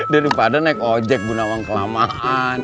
daripada naik ojek bu nawang kelamaan